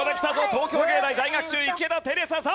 東京藝大在学中池田瑛紗さん。